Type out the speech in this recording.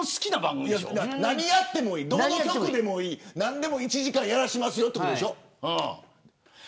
何やっても、どの局でもいい何でも１時間やらせますよということでしょ。